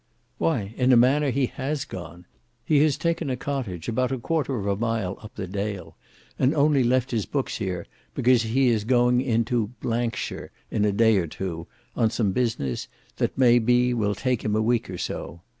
"Why in a manner he has gone. He has taken a cottage about a quarter of a mile up the dale; and only left his books here, because he is going into —shire in a day or two, on some business, that may be will take him a week or so.